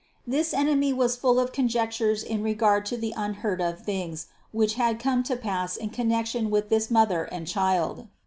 This enemy was full of conjectures in regard to the unheard of things, which had come to pass in connection with this Mother and Child.